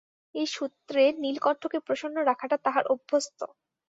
এই সূত্রে নীলকণ্ঠকে প্রসন্ন রাখাটা তাহার অভ্যস্ত।